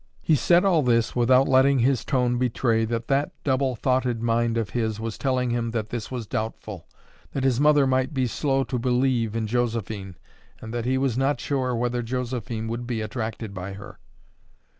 He said all this without letting his tone betray that that double thoughted mind of his was telling him that this was doubtful, that his mother might be slow to believe in Josephine, and that he was not sure whether Josephine would be attracted by her.